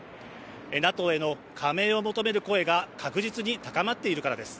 ＮＡＴＯへの加盟を求める声が確実に高まっているからです。